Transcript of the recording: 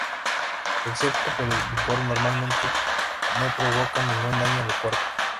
Excepto por el picor, normalmente no provocan ningún daño al cuerpo.